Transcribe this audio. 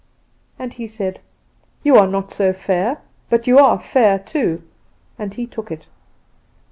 "And he said "'You are not so fair; but you are fair too,' and he took it.